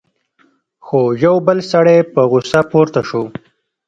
خو یو بل سړی په غصه پورته شو: